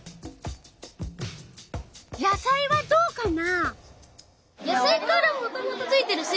野菜はどうかな？